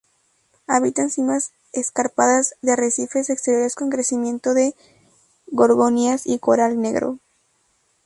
Habitan simas escarpadas de arrecifes exteriores, con crecimiento de gorgonias y coral negro.